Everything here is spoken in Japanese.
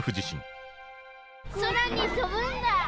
空に飛ぶんだ。